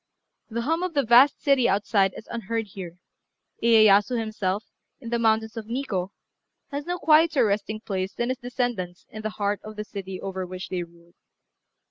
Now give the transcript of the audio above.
The hum of the vast city outside is unheard here: Iyéyasu himself, in the mountains of Nikkô, has no quieter resting place than his descendants in the heart of the city over which they ruled.